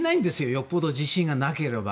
よっぽど自信がなければ。